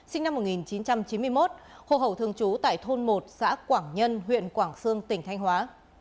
sinh năm một nghìn chín trăm chín mươi một hồ hậu thường trú tại thôn một xã quảng nhân huyện quảng sương tỉnh thanh hóa